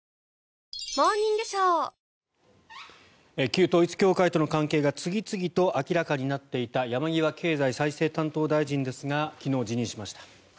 旧統一教会との関係が次々と明らかになっていた山際経済再生担当大臣ですが昨日、辞任しました。